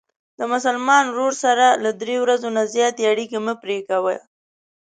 د مسلمان ورور سره له درې ورځو نه زیاتې اړیکې مه پری کوه.